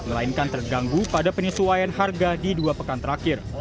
melainkan terganggu pada penyesuaian harga di dua pekan terakhir